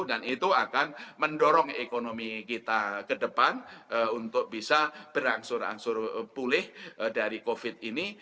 dan itu akan mendorong ekonomi kita ke depan untuk bisa berangsur angsur pulih dari covid ini